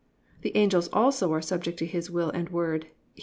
The angels also are subject to His will and word (Heb.